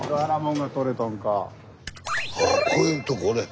ああこういうとこ俺。